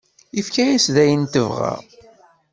Yefka-as-d ayen tebɣa.